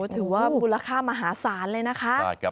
ถือว่ามูลค่ามหาศาลเลยนะคะ